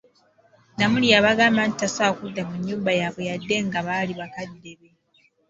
Namuli yabagamba nti tasobola kudda mu nnyumba y'abwe yadde nga baali bakadde be.